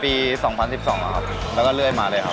ปีนี้เล่นพิมพ์ชาติกันครั้งที่สองครับตั้งแต่ปี๒๐๑๖ครับ